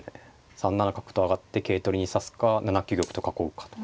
３七角と上がって桂取りに指すか７九玉と囲うかと。